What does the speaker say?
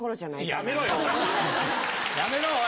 やめろよおい！